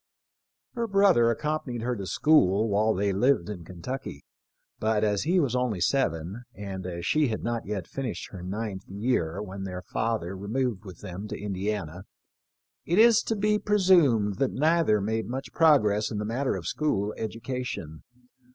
Her brother accompanied her to school while they lived in Kentucky, but as he was only seven, and as she had not yet finished her ninth year when their father removed with them to Indiana, it is to be presumed that neither made much progress in the matter of school education.